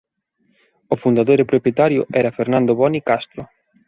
O fundador e propietario era Fernando Boni Castro.